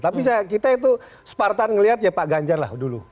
tapi kita itu separtan melihat ya pak ganjar lah dulu